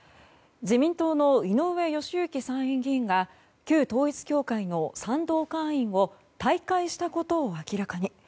自民党の井上義行参院議員が旧統一教会の賛同会員を退会したことを明らかに。